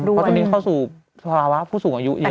เพราะตอนนี้เข้าสู่ภาวะผู้สูงอายุอยู่